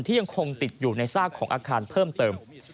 ยังคงติดอยู่ในซากของอาคารเพิ่มเติม